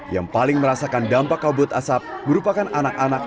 yang paling merasakan dampak kabut asap merupakan anak anak